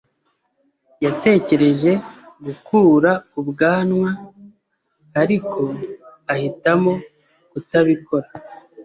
yatekereje gukura ubwanwa, ariko ahitamo kutabikora.